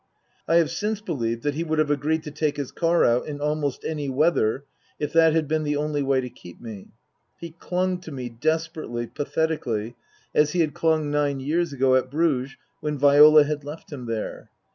I have since believed that he would have agreed to take his car out in almost any weather, if that had been the only way to keep me. He clung to me desperately, pathetically, as he had clung nine years ago at Bruges when Viola had left him there.